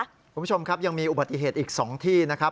คุณผู้ชมครับยังมีอุบัติเหตุอีก๒ที่นะครับ